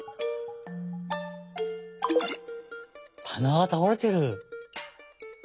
たながたおれてる。